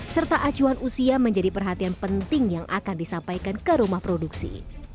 serta acuan usia menjadi perhatian penting yang akan disampaikan ke rumah produksi